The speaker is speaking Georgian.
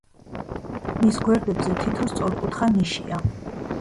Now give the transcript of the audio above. მის გვერდებზე თითო სწორკუთხა ნიშია.